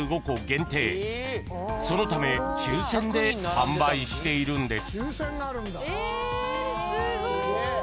［そのため抽選で販売しているんです］